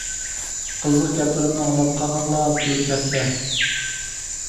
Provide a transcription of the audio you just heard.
قىزىق گەپلىرىمنى ئاڭلاپ قاقاقلاپ كۈلۈپ كەتسە.